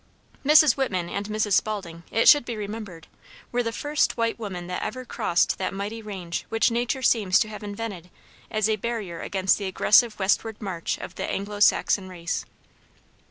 Mrs. Whitman and Mrs. Spaulding, it should be remembered, were the first white women that ever crossed that mighty range which nature seems to have intended as a barrier against the aggressive westward march of the Anglo Saxon race.